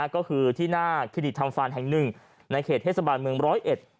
ก็คือที่หน้าคลินิกทำฟานแห่งหนึ่งในเขตเทศบาลเมืองร้อยเอ็ด